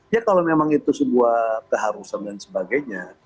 ya kalau memang itu sebuah keharusan dan sebagainya